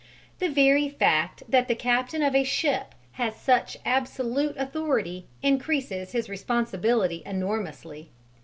The very fact that the captain of a ship has such absolute authority increases his responsibility enormously.